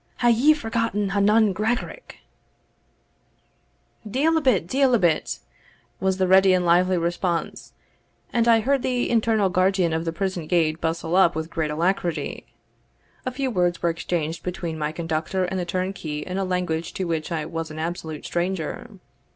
hae ye forgotten Ha nun Gregarach?" "Deil a bit, deil a bit," was the ready and lively response, and I heard the internal guardian of the prison gate bustle up with great alacrity. A few words were exchanged between my conductor and the turnkey in a language to which I was an absolute stranger.